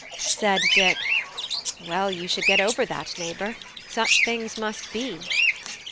Said Dick: "Well, you should get over that, neighbour: such things must be."